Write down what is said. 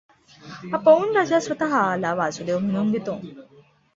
हा पोंड्र राजा स्वतः ला वासुदेव म्हणवून घेतो.